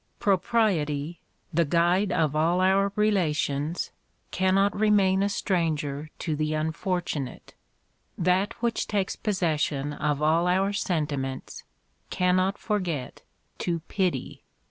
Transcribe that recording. _ Propriety, the guide of all our relations, cannot remain a stranger to the unfortunate; that which takes possession of all our sentiments, cannot forget to pity.